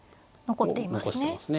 残っていますね。